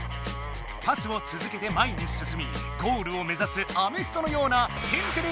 パスをつづけて前にすすみゴールを目ざすアメフトのような「天てれ」